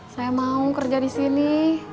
saya mau kerja di sini